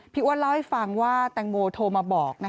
อ้วนเล่าให้ฟังว่าแตงโมโทรมาบอก